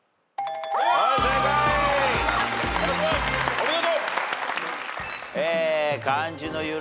お見事！